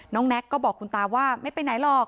แน็กก็บอกคุณตาว่าไม่ไปไหนหรอก